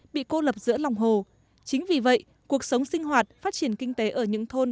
bị cô lập giữa lòng hồ chính vì vậy cuộc sống sinh hoạt phát triển kinh tế ở những thôn